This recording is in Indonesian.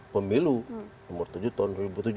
pemilu umur tujuh tahun